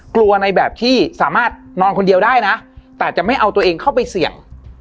ในแบบที่สามารถนอนคนเดียวได้นะแต่จะไม่เอาตัวเองเข้าไปเสี่ยง